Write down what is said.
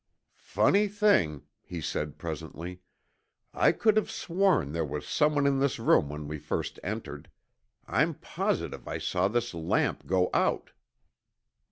"Funny thing," he said presently. "I could have sworn there was someone in this room when we first entered. I'm positive I saw this lamp go out."